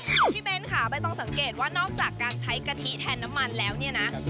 ตอนที่เป็นทขาไปต้องเศร้าเมียดว่านอกจากการใช้กะทิแทนน้ำมันแล้วเนี่ยนะ